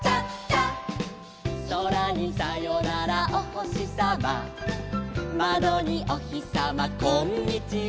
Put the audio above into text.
「そらにさよならおほしさま」「まどにおひさまこんにちは」